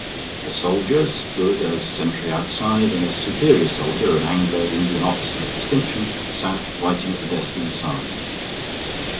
A soldier stood as a sentry outside, and a superior soldier, an Anglo Indian officer of distinction, sat writing at the desk inside.